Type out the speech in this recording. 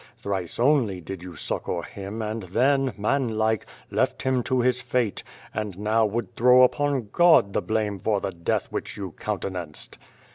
Thrice only did you succour him and then, manlike, left him to his fate, and now would throw upon God the blame for the death which you countenanced.